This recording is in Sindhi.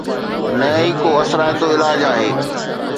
نه ئي ڪو اثرائتو علاج آهي